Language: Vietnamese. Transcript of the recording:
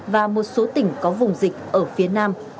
và một số tỉnh có vùng dịch ở phía nam